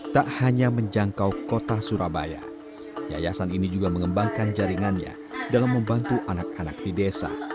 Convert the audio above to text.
tak hanya menjangkau kota surabaya yayasan ini juga mengembangkan jaringannya dalam membantu anak anak di desa